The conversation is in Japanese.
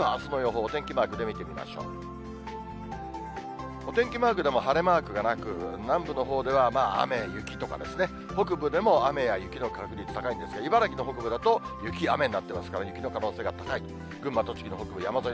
お天気マークでも晴れマークがなく、南部のほうではまあ雨、雪とかですね、北部でも雨や雪の確率高いんですが、茨城の北部だと雪や雨になってますから、雪の可能性が高い。